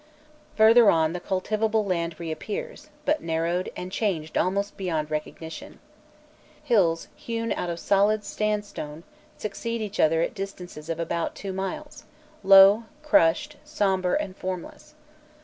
Further on the cultivable land reappears, but narrowed, and changed almost beyond recognition. Hills, hewn out of solid sandstone, succeed each other at distances of about two miles, low, crushed, sombre, and formless.